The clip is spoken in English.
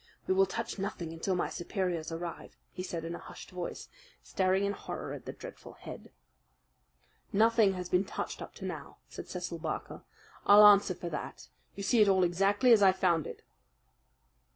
"We will touch nothing until my superiors arrive," he said in a hushed voice, staring in horror at the dreadful head. "Nothing has been touched up to now," said Cecil Barker. "I'll answer for that. You see it all exactly as I found it."